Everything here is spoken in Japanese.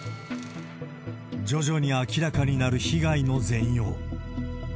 徐々に明らかになる被害の全容。